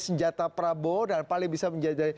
senjata prabowo dan paling bisa menjadi